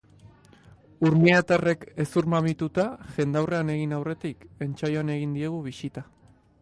Urnietarrek hezurmamituta, jendaurrean egin aurretik, entsaioan egin diegu bisita.